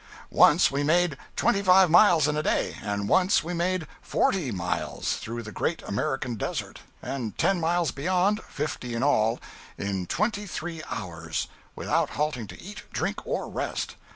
Once we made twenty five miles in a day, and once we made forty miles (through the Great American Desert), and ten miles beyond—fifty in all—in twenty three hours, without halting to eat, drink or rest.